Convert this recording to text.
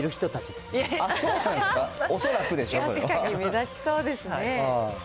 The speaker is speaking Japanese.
確かに目立ちそうですね。